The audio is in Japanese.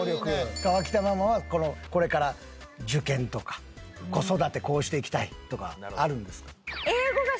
河北ママはこれから受験とか子育てこうしていきたいとかあるんですか？